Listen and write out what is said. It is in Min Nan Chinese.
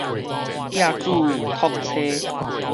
寄子託妻